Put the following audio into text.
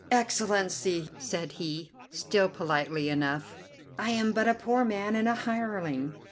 "Excellency!" said he, still politely enough, "I am but a poor man and a hireling.